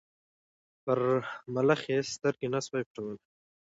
پر ملخ یې سترګي نه سوای پټولای